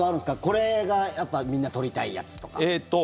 これが、やっぱみんな取りたいやつとか。